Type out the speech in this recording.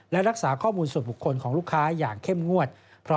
และรักษาข้อมูลส่วนบุคคลของลูกค้าอย่างเข้มงวด